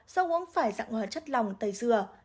do uống phải dạng hóa chất lòng tầy dừa